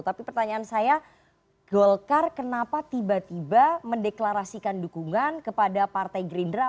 tapi pertanyaan saya golkar kenapa tiba tiba mendeklarasikan dukungan kepada partai gerindra